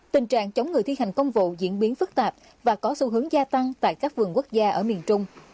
tình trạng chống người thi hành công vụ diễn biến phức tạp và có xu hướng gia tăng tại các vườn quốc gia ở miền trung